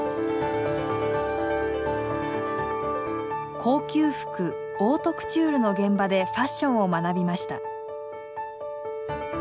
高級服オートクチュールの現場でファッションを学びました。